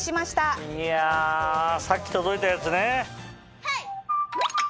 いやさっき届いたやつね！